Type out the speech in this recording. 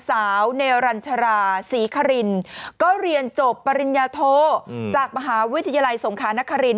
สาวเนรัญชราศรีครินก็เรียนจบปริญญาโทจากมหาวิทยาลัยสงครานคริน